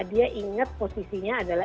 dia ingat posisinya adalah